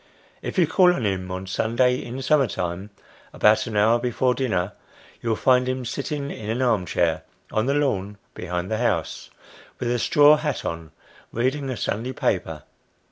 If you call on him on Sunday in summer time, about an hour before dinner, you will find him sitting in an arm chair, on the lawn behind the house, with a straw hat on, reading a Sunday paper.